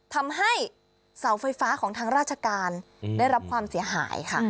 ทำให้เสาไฟฟ้าของทางราชการได้รับความเสียหายค่ะ